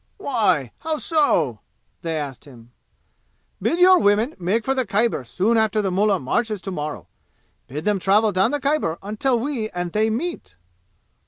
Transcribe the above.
"Why? How so?" they asked him. "Bid your women make for the Khyber soon after the mullah marches tomorrow. Bid them travel down the Khyber until we and they meet!"